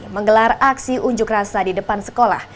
menggelar aksi unjuk rasa di depan sekolah